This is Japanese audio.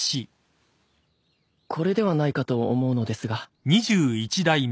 これではないかと思うのですが。